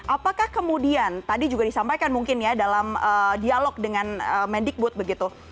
apakah kemudian tadi juga disampaikan mungkin ya dalam dialog dengan mendikbud begitu